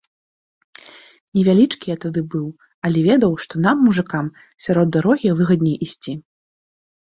Невялічкі я тады быў, але ведаў, што нам, мужыкам, сярод дарогі выгадней ісці.